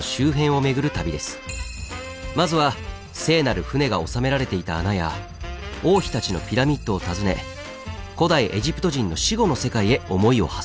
まずは聖なる船が収められていた穴や王妃たちのピラミッドを訪ね古代エジプト人の死後の世界へ思いをはせます。